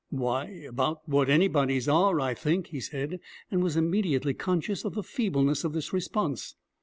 'Why, about what anybody's are, I think,' he said, and was immediately conscious of the feebleness of this response.